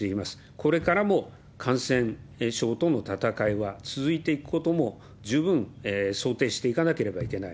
これからも感染症との闘いは続いていくことも十分想定していかなければいけない。